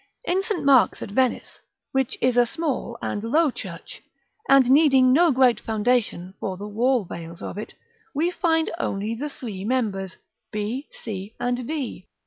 In St. Mark's at Venice, which is a small and low church, and needing no great foundation for the wall veils of it, we find only the three members, b, c, and d.